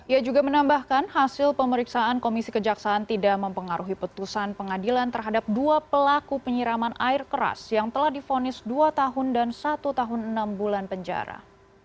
ia juga menambahkan hasil pemeriksaan komisi kejaksaan tidak mempengaruhi petusan pengadilan terhadap dua pelaku penyiraman air keras yang telah difonis dua tahun dan satu tahun enam bulan penjara